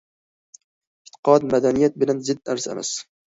ئېتىقاد مەدەنىيەت بىلەن زىت نەرسە ئەمەس.